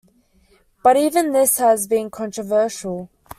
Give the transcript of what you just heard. But even this has been controversial.